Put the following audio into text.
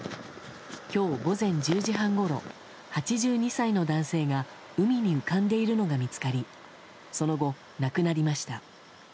今日午前１０時半ごろ８２歳の男性が海に浮かんでいるのが見つかりその後、亡くなりました。